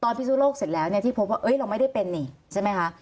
ตอนพิสูจน์โรคเสร็จแล้วที่พบว่าเราไม่ได้เป็นนี่ใช่ไหมคะ